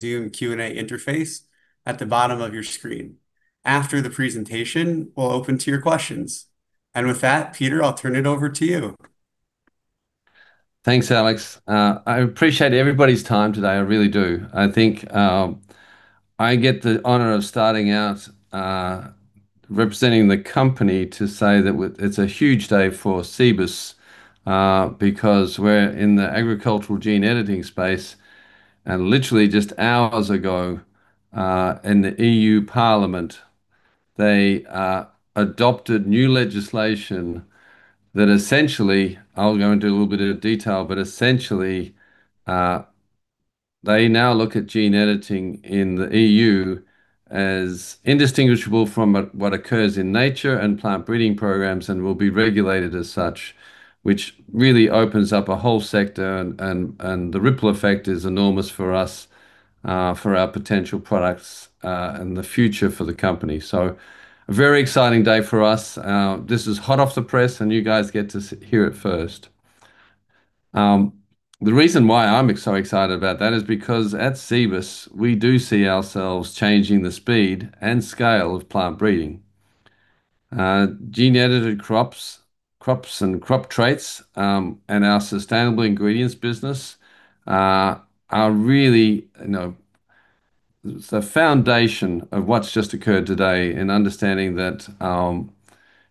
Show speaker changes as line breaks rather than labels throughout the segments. Zoom Q&A interface at the bottom of your screen. After the presentation, we'll open to your questions. With that, Peter, I'll turn it over to you.
Thanks, Alex. I appreciate everybody's time today, I really do. I think I get the honor of starting out representing the company to say that it's a huge day for Cibus, because we're in the agricultural gene editing space, and literally just hours ago, in the EU Parliament, they adopted new legislation that essentially, I'll go into a little bit of detail, but essentially, they now look at gene editing in the EU as indistinguishable from what occurs in nature and plant breeding programs, and will be regulated as such, which really opens up a whole sector and the ripple effect is enormous for us, for our potential products, and the future for the company. A very exciting day for us. This is hot off the press, you guys get to hear it first. The reason why I'm so excited about that is because at Cibus, we do see ourselves changing the speed and scale of plant breeding. Gene edited crops and crop traits, and our sustainable ingredients business are really the foundation of what's just occurred today in understanding that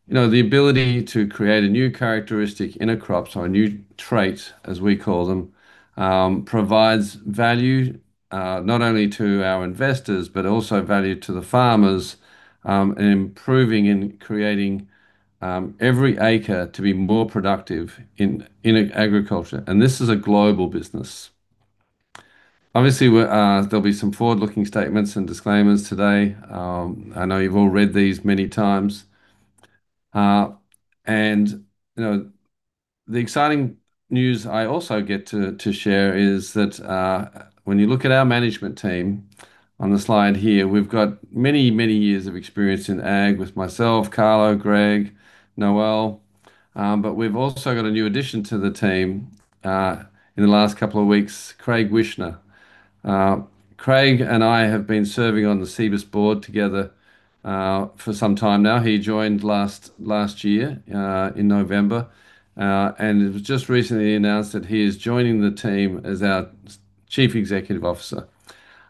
the ability to create a new characteristic in a crop or a new trait, as we call them, provides value not only to our investors, but also value to the farmers in improving and creating every acre to be more productive in agriculture. Obviously, there'll be some forward-looking statements and disclaimers today. I know you've all read these many times. The exciting news I also get to share is that when you look at our management team on the slide here, we've got many, many years of experience in ag with myself, Carlo, Greg, Noel. We've also got a new addition to the team, in the last couple of weeks, Craig Wichner. Craig and I have been serving on the Cibus board together for some time now. He joined last year in November. It was just recently announced that he is joining the team as our Chief Executive Officer.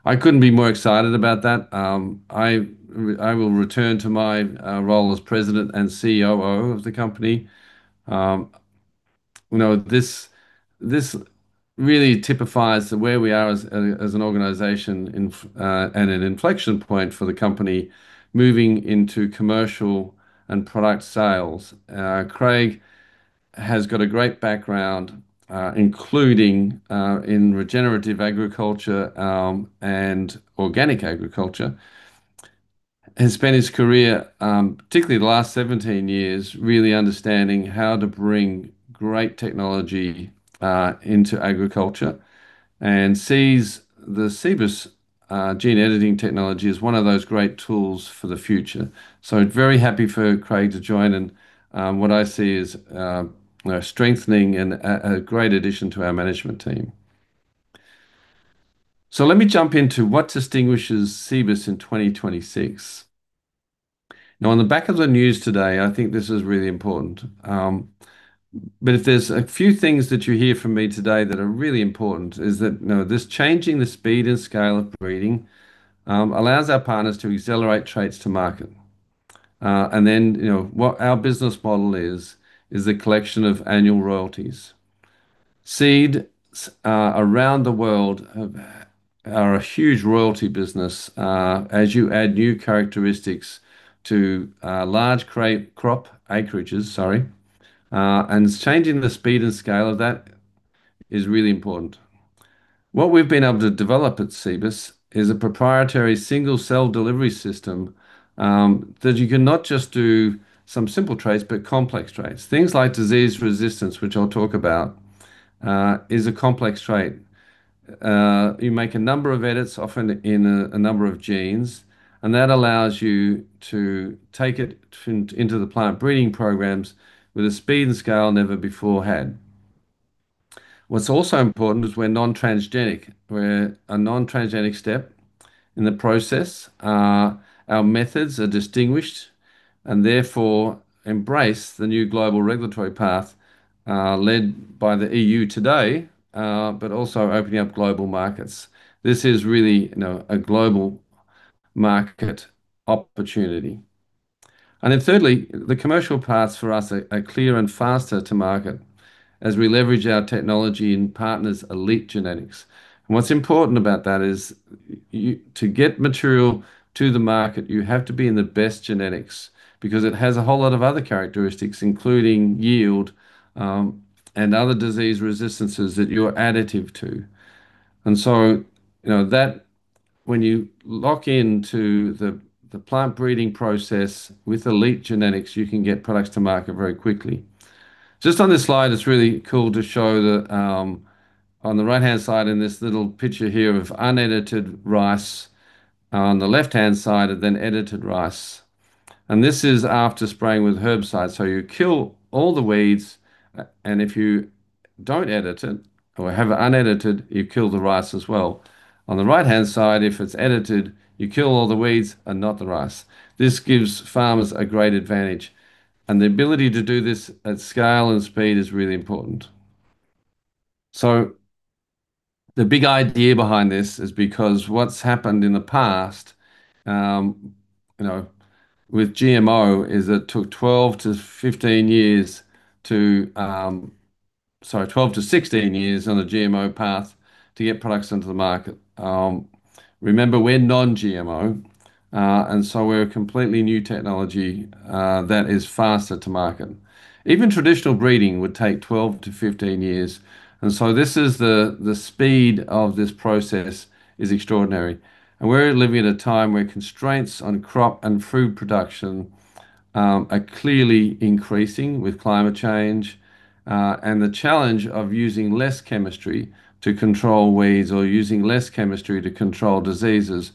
I couldn't be more excited about that. I will return to my role as President and COO of the company. This really typifies where we are as an organization and an inflection point for the company moving into commercial and product sales. Craig has got a great background, including in regenerative agriculture, and organic agriculture, and spent his career, particularly the last 17 years, really understanding how to bring great technology into agriculture and sees the Cibus gene editing technology as one of those great tools for the future. Very happy for Craig to join and what I see as a strengthening and a great addition to our management team. Let me jump into what distinguishes Cibus in 2026. On the back of the news today, I think this is really important. If there's a few things that you hear from me today that are really important is that this changing the speed and scale of breeding allows our partners to accelerate traits to market. What our business model is is a collection of annual royalties. Seeds around the world are a huge royalty business, as you add new characteristics to large crop acreages, sorry, changing the speed and scale of that is really important. What we've been able to develop at Cibus is a proprietary single cell delivery system that you can not just do some simple traits, but complex traits. Things like disease resistance, which I'll talk about, is a complex trait. You make a number of edits, often in a number of genes, that allows you to take it into the plant breeding programs with a speed and scale never before had. What's also important is we're non-transgenic. We're a non-transgenic step in the process. Our methods are distinguished and therefore embrace the new global regulatory path, led by the EU today, but also opening up global markets. This is really a global market opportunity. Thirdly, the commercial paths for us are clear and faster to market as we leverage our technology and partners' elite genetics. What's important about that is to get material to the market, you have to be in the best genetics because it has a whole lot of other characteristics, including yield, and other disease resistances that you're additive to. When you lock into the plant breeding process with elite genetics, you can get products to market very quickly. Just on this slide, it's really cool to show that on the right-hand side in this little picture here of unedited rice, on the left-hand side and then edited rice. This is after spraying with herbicide. You kill all the weeds, and if you don't edit it, or have it unedited, you kill the rice as well. On the right-hand side, if it's edited, you kill all the weeds and not the rice. This gives farmers a great advantage, and the ability to do this at scale and speed is really important. The big idea behind this is because what's happened in the past with GMO is it took 12 to 16 years on the GMO path to get products into the market. Remember, we're non-GMO, we're a completely new technology that is faster to market. Even traditional breeding would take 12-15 years, this is the speed of this process is extraordinary. We're living at a time where constraints on crop and food production are clearly increasing with climate change. The challenge of using less chemistry to control weeds or using less chemistry to control diseases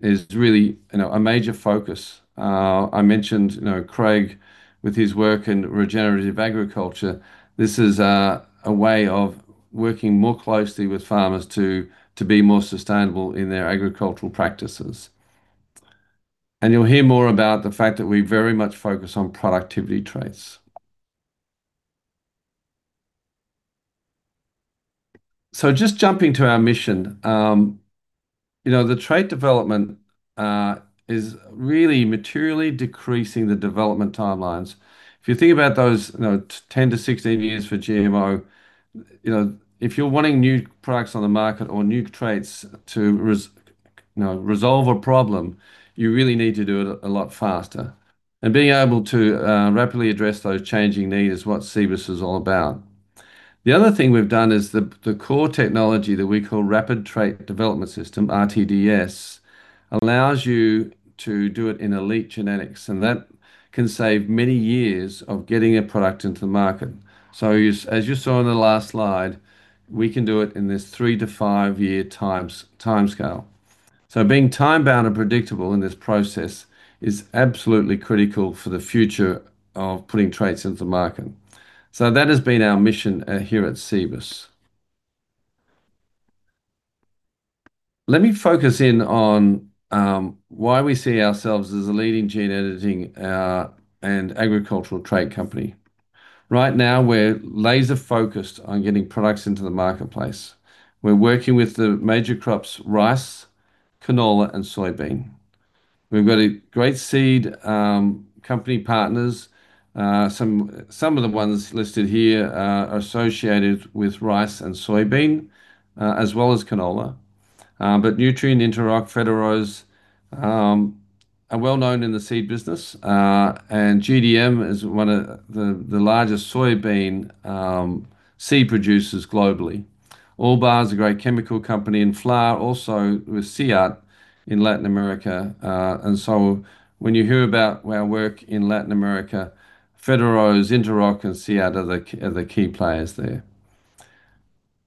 is really a major focus. I mentioned Craig with his work in regenerative agriculture. This is a way of working more closely with farmers to be more sustainable in their agricultural practices. You'll hear more about the fact that we very much focus on productivity traits. Just jumping to our mission. The trait development is really materially decreasing the development timelines. If you think about those 10-16 years for GMO, if you're wanting new products on the market or new traits to resolve a problem, you really need to do it a lot faster. Being able to rapidly address those changing needs is what Cibus is all about. The other thing we've done is the core technology that we call Rapid Trait Development System, RTDS, allows you to do it in elite genetics, and that can save many years of getting a product into the market. As you saw in the last slide, we can do it in this 3-5 year timescale. Being time-bound and predictable in this process is absolutely critical for the future of putting traits into the market. That has been our mission here at Cibus. Let me focus in on why we see ourselves as a leading gene editing and agricultural trait company. Right now, we're laser-focused on getting products into the marketplace. We're working with the major crops rice, canola, and soybean. We've got great seed company partners. Some of the ones listed here are associated with rice and soybean, as well as canola. Nutrien, Interoc, Fedearroz are well-known in the seed business. GDM is one of the largest soybean seed producers globally. Albaugh's a great chemical company, and FLAR also with CIAT in Latin America. When you hear about our work in Latin America, Fedearroz, Interoc, and CIAT are the key players there.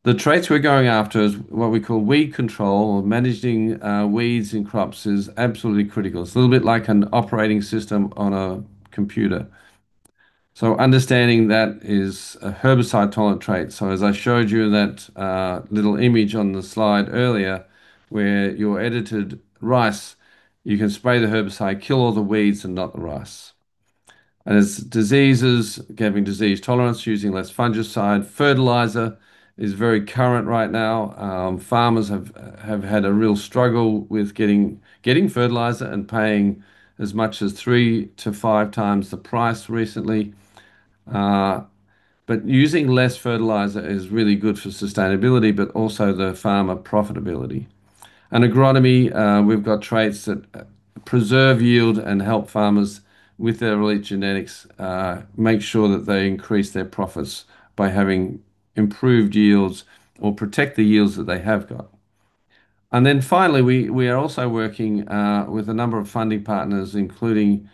The traits we're going after is what we call weed control, or managing weeds in crops is absolutely critical. It's a little bit like an operating system on a computer. Understanding that is a herbicide tolerant trait. As I showed you that little image on the slide earlier where your edited rice, you can spray the herbicide, kill all the weeds and not the rice. As diseases, giving disease resistance, using less fungicide. Fertilizer is very current right now. Farmers have had a real struggle with getting fertilizer and paying as much as 3 - 5x the price recently. Using less fertilizer is really good for sustainability, but also the farmer profitability. Agronomy, we've got traits that preserve yield and help farmers with their elite genetics, make sure that they increase their profits by having improved yields or protect the yields that they have got. Finally, we are also working with a number of funding partners, including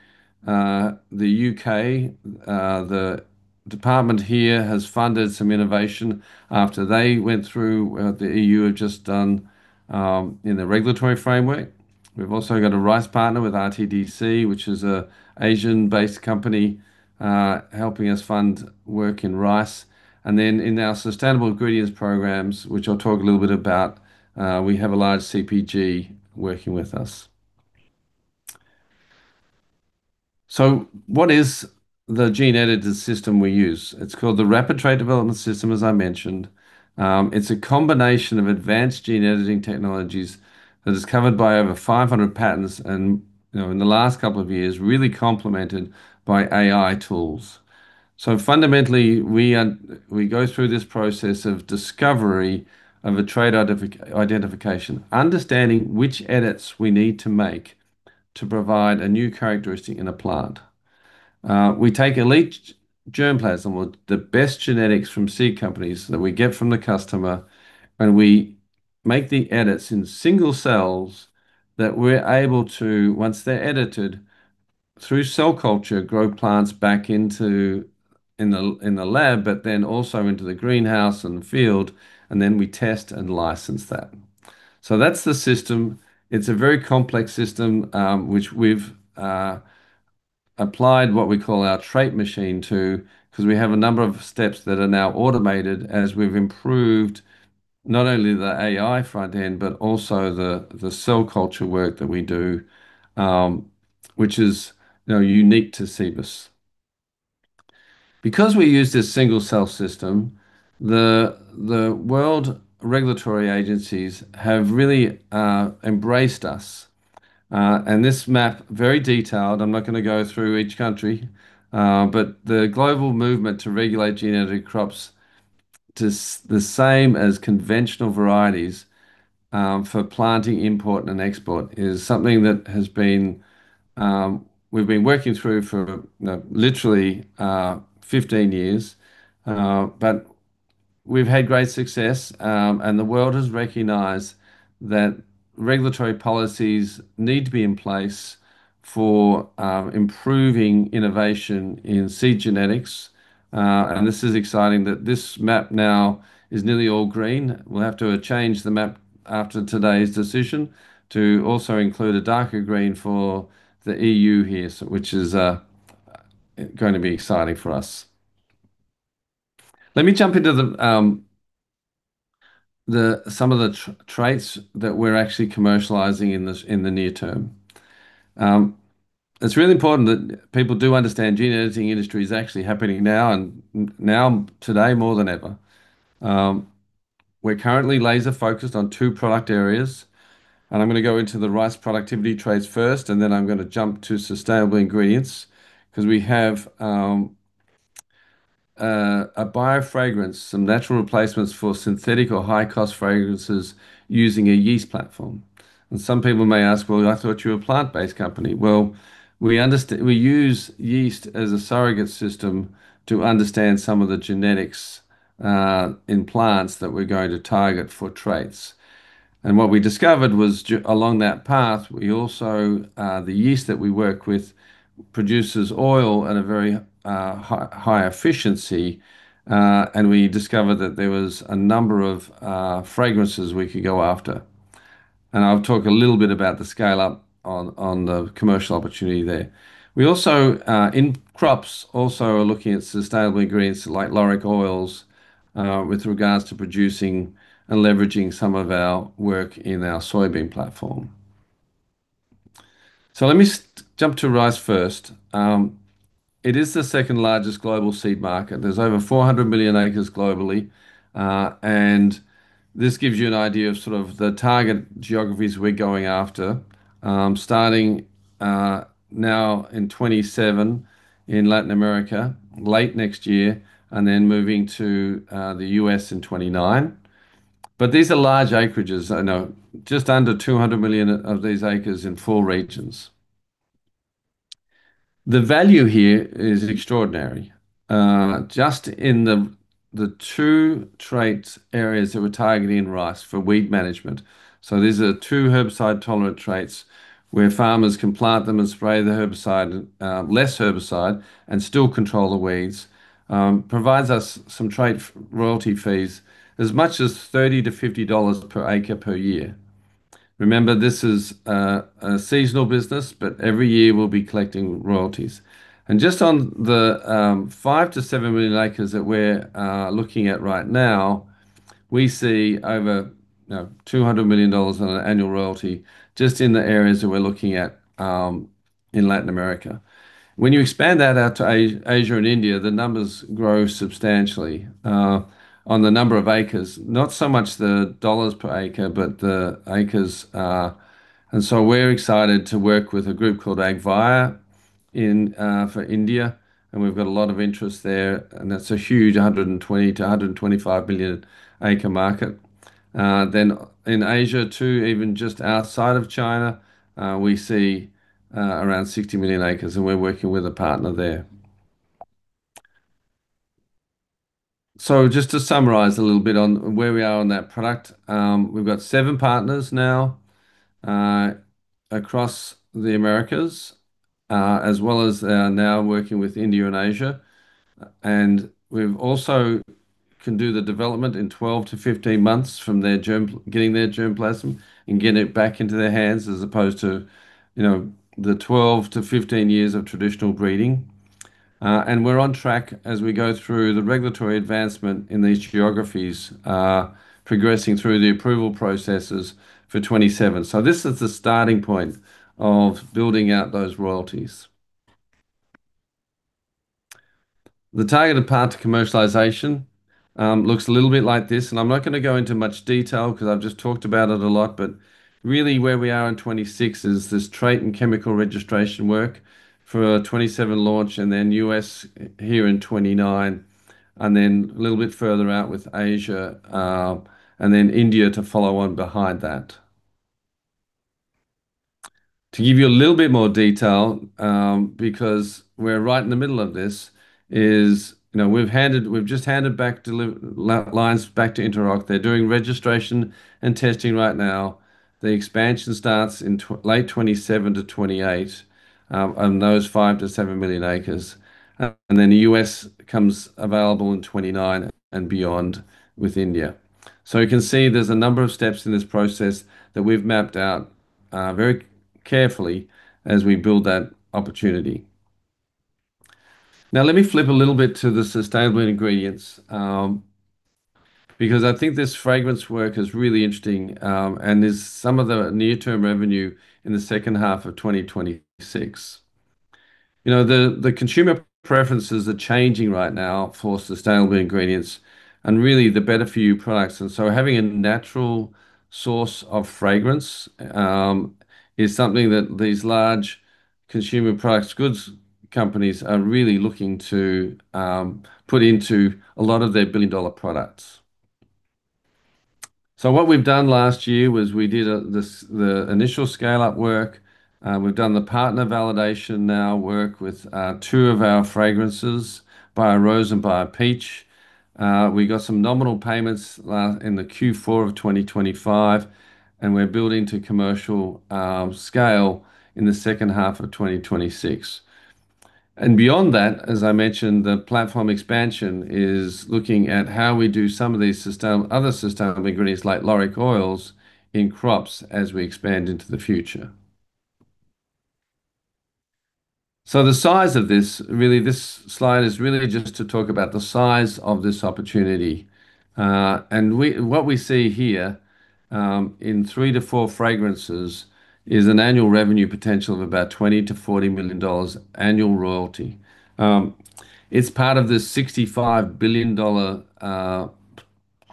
the U.K. The department here has funded some innovation after they went through the EU had just done in the regulatory framework. We've also got a rice partner with RTDC, which is an Asian-based company, helping us fund work in rice. Then in our sustainable ingredients programs, which I'll talk a little bit about, we have a large CPG working with us. What is the gene-edited system we use? It's called the Rapid Trait Development System, as I mentioned. It's a combination of advanced gene editing technologies that is covered by over 500 patents, and in the last couple of years, really complemented by AI tools. Fundamentally, we go through this process of discovery of a trait identification, understanding which edits we need to make to provide a new characteristic in a plant. We take elite germplasm or the best genetics from seed companies that we get from the customer, and we make the edits in single cells that we're able to, once they're edited, through cell culture, grow plants back into the lab, but then also into the greenhouse and the field, and then we test and license that. That's the system. It's a very complex system, which we've applied what we call our Trait Machine to, because we have a number of steps that are now automated as we've improved not only the AI front end, but also the cell culture work that we do, which is now unique to Cibus. We use this single-cell system, the world regulatory agencies have really embraced us. This map, very detailed, I'm not going to go through each country, but the global movement to regulate genetic crops to the same as conventional varieties for planting, import, and export is something that we've been working through for literally 15 years. We've had great success, and the world has recognized that regulatory policies need to be in place for improving innovation in seed genetics. This is exciting that this map now is nearly all green. We'll have to change the map after today's decision to also include a darker green for the EU here, which is going to be exciting for us. Let me jump into some of the traits that we're actually commercializing in the near term. It's really important that people do understand gene editing industry is actually happening now, and now today more than ever. We're currently laser-focused on two product areas, I'm going to go into the rice productivity traits first, and then I'm going to jump to sustainable ingredients because we have a biofragrance, some natural replacements for synthetic or high-cost fragrances using a yeast platform. Some people may ask, "Well, I thought you were a plant-based company." Well, we use yeast as a surrogate system to understand some of the genetics in plants that we're going to target for traits. What we discovered was along that path, the yeast that we work with produces oil at a very high efficiency. We discovered that there was a number of fragrances we could go after. I'll talk a little bit about the scale-up on the commercial opportunity there. We also, in crops, also are looking at sustainable ingredients like lauric oils, with regards to producing and leveraging some of our work in our soybean platform. Let me jump to rice first. It is the second-largest global seed market. There's over 400 million acres globally. This gives you an idea of sort of the target geographies we're going after. Starting now in 2027 in Latin America, late next year, and then moving to the U.S. in 2029. These are large acreages. I know just under 200 million of these acres in four regions. The value here is extraordinary. Just in the two trait areas that we're targeting in rice for weed management. These are two herbicide-tolerant traits where farmers can plant them and spray the herbicide, less herbicide, and still control the weeds. Provides us some trait royalty fees as much as $30-$50 per acre per year. Remember, this is a seasonal business, every year we'll be collecting royalties. Just on the 5 million-7 million acres that we're looking at right now, we see over $200 million on an annual royalty just in the areas that we're looking at in Latin America. When you expand that out to Asia and India, the numbers grow substantially on the number of acres, not so much the dollars per acre, but the acres. We're excited to work with a group called AgVayā for India, and we've got a lot of interest there. That's a huge 120 million-125 million acre market. In Asia too, even just outside of China, we see around 60 million acres and we're working with a partner there. Just to summarize a little bit on where we are on that product. We've got 7 partners now across the Americas, as well as now working with India and Asia. We also can do the development in 12-15 months from getting their germplasm and getting it back into their hands as opposed to the 12-15 years of traditional breeding. We're on track as we go through the regulatory advancement in these geographies, progressing through the approval processes for 2027. This is the starting point of building out those royalties. The targeted path to commercialization looks a little bit like this, and I'm not going to go into much detail because I've just talked about it a lot. Really where we are in 2026 is this trait and chemical registration work for 2027 launch, then U.S. here in 2029, and then a little bit further out with Asia, and then India to follow on behind that. To give you a little bit more detail, because we're right in the middle of this, is we've just handed back lines back to Interoc. They're doing registration and testing right now. The expansion starts in late 2027-2028 on those 5 million-7 million acres. The U.S. becomes available in 2029 and beyond with India. You can see there's a number of steps in this process that we've mapped out very carefully as we build that opportunity. Now, let me flip a little bit to the sustainable ingredients, because I think this fragrance work is really interesting, and there's some of the near-term revenue in the second half of 2026. The consumer preferences are changing right now for sustainable ingredients and really the better-for-you products. Having a natural source of fragrance is something that these large consumer products goods companies are really looking to put into a lot of their billion-dollar products. What we've done last year was we did the initial scale-up work. We've done the partner validation now work with two of our fragrances, BioRose and BioPeach. We got some nominal payments in the Q4 2025, and we're building to commercial scale in the second half of 2026. Beyond that, as I mentioned, the platform expansion is looking at how we do some of these other sustainable ingredients like lauric oils in crops as we expand into the future. The size of this, really, this slide is really just to talk about the size of this opportunity. What we see here in three to four fragrances is an annual revenue potential of about $20 million-$40 million annual royalty. It's part of the $65 billion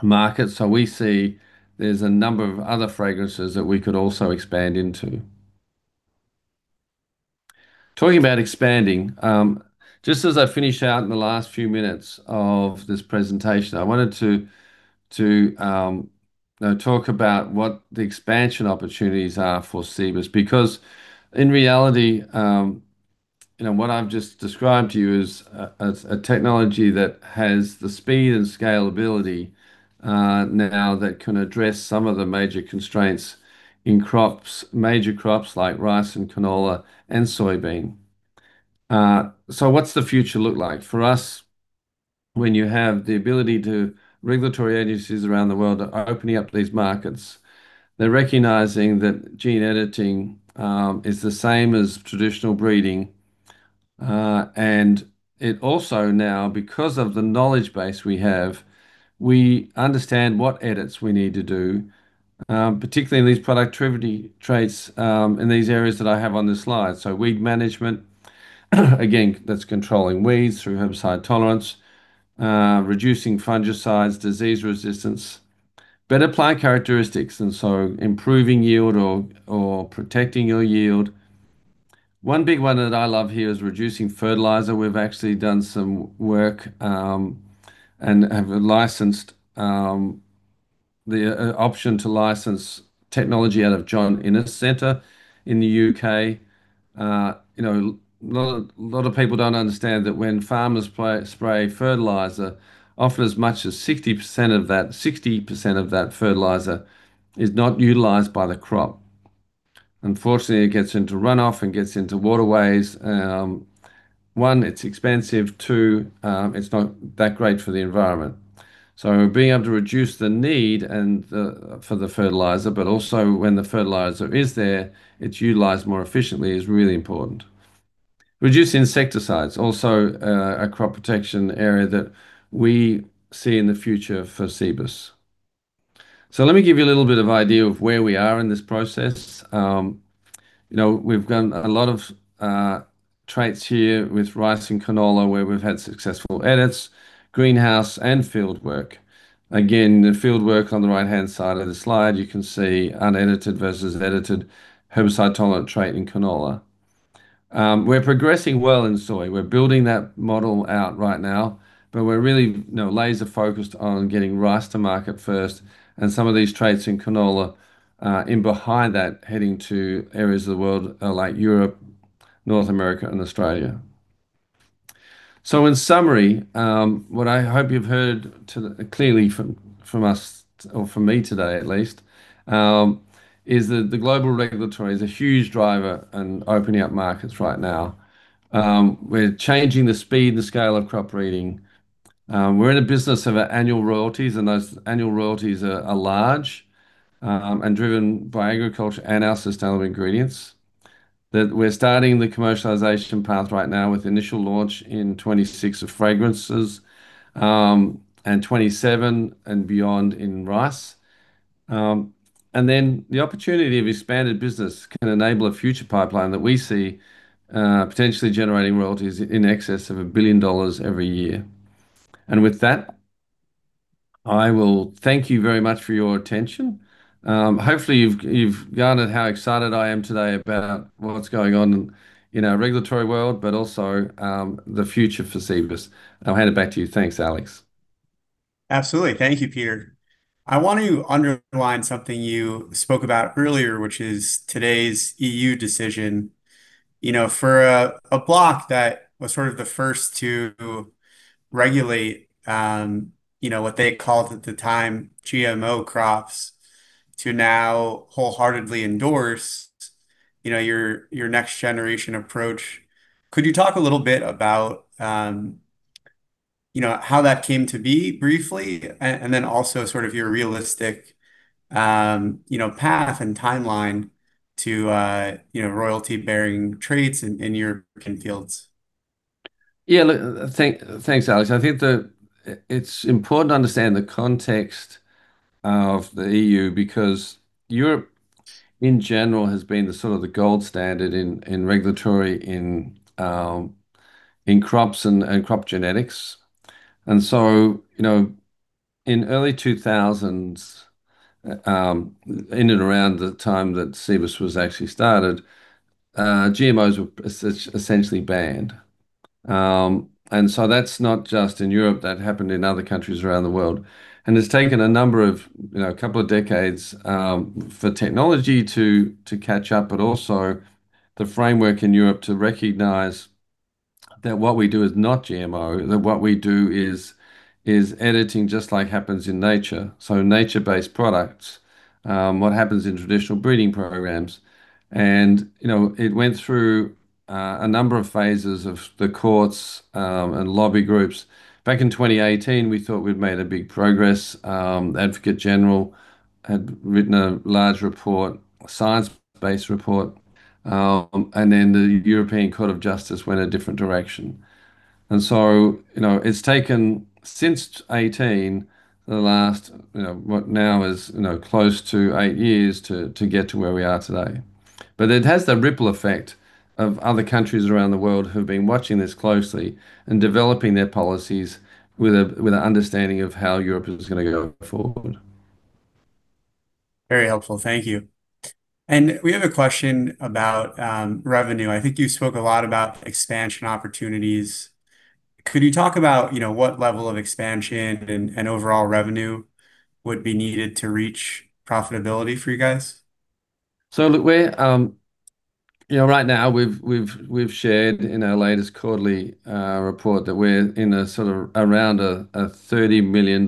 market. We see there's a number of other fragrances that we could also expand into. Talking about expanding, just as I finish out in the last few minutes of this presentation, I wanted to talk about what the expansion opportunities are for Cibus. In reality, what I've just described to you is a technology that has the speed and scalability now that can address some of the major constraints in major crops like rice and canola and soybean. What's the future look like? For us, when you have the ability to regulatory agencies around the world are opening up these markets. They're recognizing that gene editing is the same as traditional breeding. It also now, because of the knowledge base we have, we understand what edits we need to do, particularly in these productivity traits in these areas that I have on this slide. Weed management, again, that's controlling weeds through herbicide tolerance, reducing fungicides, disease resistance. Better plant characteristics, improving yield or protecting your yield. One big one that I love here is reducing fertilizer. We've actually done some work, and have licensed the option to license technology out of John Innes Centre in the U.K. A lot of people don't understand that when farmers spray fertilizer, often as much as 60% of that fertilizer is not utilized by the crop. Unfortunately, it gets into runoff and gets into waterways. One, it's expensive. Two, it's not that great for the environment. Being able to reduce the need for the fertilizer, but also when the fertilizer is there, it's utilized more efficiently, is really important. Reducing insecticides, also a crop protection area that we see in the future for Cibus. Let me give you a little bit of idea of where we are in this process. We've done a lot of traits here with rice and canola, where we've had successful edits, greenhouse, and field work. Again, the field work on the right-hand side of the slide, you can see unedited versus edited herbicide-tolerant trait in canola. We're progressing well in soy. We're building that model out right now, but we're really laser-focused on getting rice to market first and some of these traits in canola in behind that, heading to areas of the world like Europe, North America, and Australia. In summary, what I hope you've heard clearly from us, or from me today at least, is that the global regulatory is a huge driver in opening up markets right now. We're changing the speed and the scale of crop breeding. We're in a business of annual royalties, and those annual royalties are large and driven by agriculture and our sustainable ingredients. That we're starting the commercialization path right now with initial launch in 2026 of fragrances, and 2027 and beyond in rice. The opportunity of expanded business can enable a future pipeline that we see potentially generating royalties in excess of $1 billion every year. With that, I will thank you very much for your attention. Hopefully, you've garnered how excited I am today about what's going on in our regulatory world, but also the future for Cibus. I'll hand it back to you. Thanks, Alex.
Absolutely. Thank you, Peter. I want to underline something you spoke about earlier, which is today's EU decision. For a block that was sort of the first to regulate what they called at the time GMO crops, to now wholeheartedly endorse your next generation approach, could you talk a little bit about how that came to be briefly, and then also sort of your realistic path and timeline to royalty-bearing traits in European fields?
Yeah, look, thanks, Alex. I think that it's important to understand the context of the EU because Europe in general has been the sort of the gold standard in regulatory, in crops, and crop genetics. In early 2000s, in and around the time that Cibus was actually started, GMOs were essentially banned. That's not just in Europe, that happened in other countries around the world. It's taken a number of couple of decades for technology to catch up, but also the framework in Europe to recognize that what we do is not GMO, that what we do is editing just like happens in nature, so nature-based products, what happens in traditional breeding programs. It went through a number of phases of the courts and lobby groups. Back in 2018, we thought we'd made a big progress. Advocate General had written a large report, a science-based report, and then the European Court of Justice went a different direction. It's taken since 2018, the last, what now is close to eight years to get to where we are today. It has the ripple effect of other countries around the world who've been watching this closely and developing their policies with an understanding of how Europe is going to go forward.
Very helpful. Thank you. We have a question about revenue. I think you spoke a lot about expansion opportunities. Could you talk about what level of expansion and overall revenue would be needed to reach profitability for you guys?
Look, right now we've shared in our latest quarterly report that we're in a sort of around a $30 million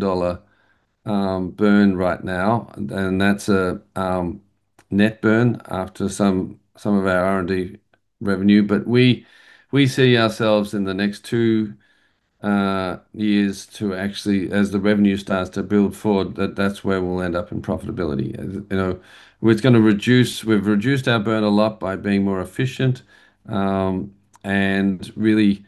burn right now. That's a net burn after some of our R&D revenue. We see ourselves in the next two years to actually, as the revenue starts to build forward, that that's where we'll end up in profitability. We've reduced our burn a lot by being more efficient, and really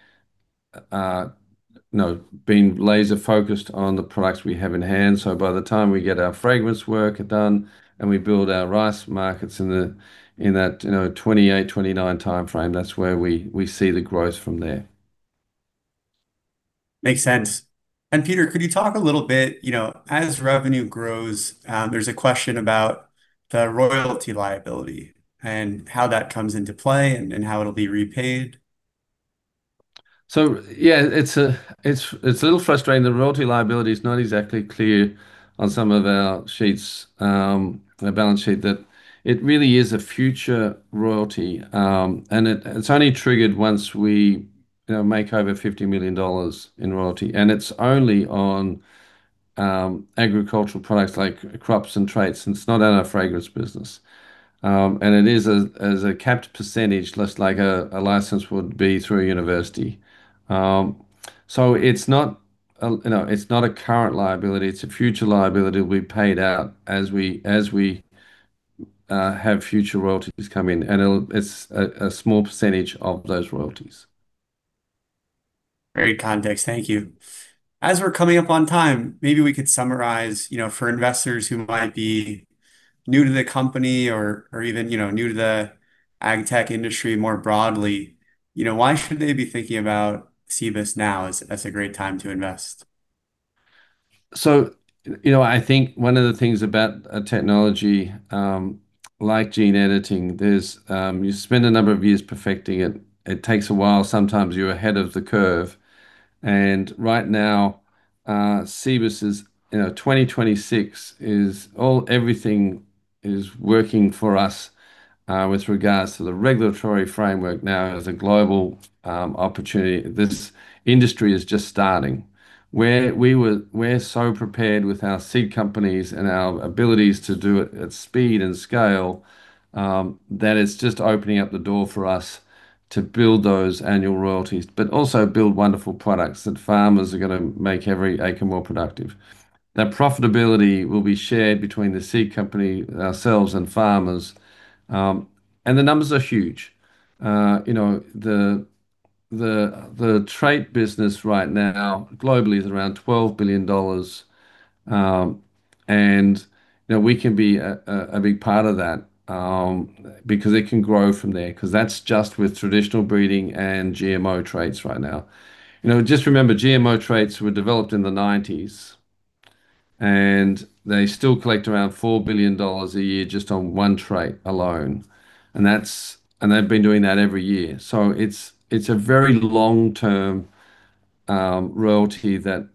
being laser-focused on the products we have in hand. By the time we get our fragrance work done and we build our rice markets in that 2028, 2029 timeframe, that's where we see the growth from there.
Makes sense. Peter, could you talk a little bit, as revenue grows, there's a question about the royalty liability and how that comes into play and how it'll be repaid.
Yeah, it's a little frustrating. The royalty liability is not exactly clear on some of our sheets, on our balance sheet, that it really is a future royalty. It's only triggered once we make over $50 million in royalty, and it's only on agricultural products like crops and traits, and it's not on our fragrance business. It is as a capped percentage, just like a license would be through a university. It's not a current liability, it's a future liability we paid out as we have future royalties come in, and it's a small percentage of those royalties.
Great context. Thank you. As we're coming up on time, maybe we could summarize, for investors who might be new to the company or even new to the ag tech industry more broadly, why should they be thinking about Cibus now as a great time to invest?
I think one of the things about a technology like gene editing, you spend a number of years perfecting it. It takes a while. Sometimes you're ahead of the curve. Right now, Cibus is, 2026 is all everything is working for us with regards to the regulatory framework now as a global opportunity. This industry is just starting. We're so prepared with our seed companies and our abilities to do it at speed and scale, that it's just opening up the door for us to build those annual royalties, but also build wonderful products that farmers are going to make every acre more productive. That profitability will be shared between the seed company, ourselves, and farmers. The numbers are huge. The trait business right now globally is around $12 billion. We can be a big part of that, because it can grow from there. Because that's just with traditional breeding and GMO traits right now. Just remember, GMO traits were developed in the '90s, and they still collect around $4 billion a year just on one trait alone. They've been doing that every year. It's a very long-term royalty that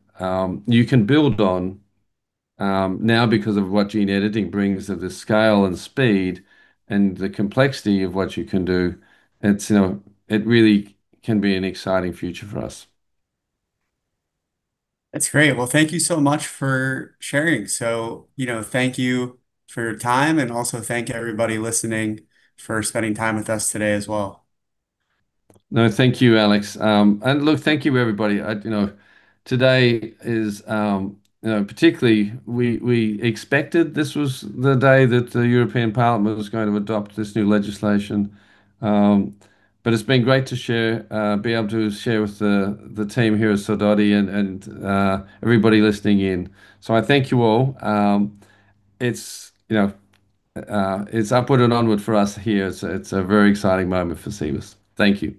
you can build on now because of what gene editing brings at the scale and speed and the complexity of what you can do. It really can be an exciting future for us.
That's great. Well, thank you so much for sharing. Thank you for your time, and also thank everybody listening for spending time with us today as well.
No, thank you, Alex. Look, thank you everybody. Today is particularly we expected this was the day that the European Parliament was going to adopt this new legislation. It's been great to be able to share with the team here at Sidoti and everybody listening in. I thank you all. It's upward and onward for us here. It's a very exciting moment for Cibus. Thank you.